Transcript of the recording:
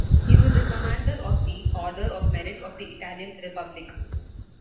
He was a Commander of the Order of Merit of the Italian Republic.